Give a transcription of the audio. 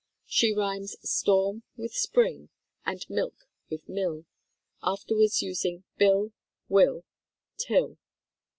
She rhymes "storm" with "spring," and "milk" with "mill," afterwards using "bill," "will," "till."